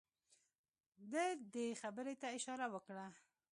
ده دې خبرې ته اشاره وکړه.